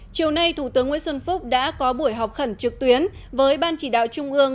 chiều nay thủ tướng nguyễn xuân phúc đã có buổi họp khẩn trực tuyến với ban chỉ đạo trung ương